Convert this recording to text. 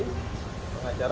bisa terus ajari